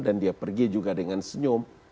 dan dia pergi juga dengan senyum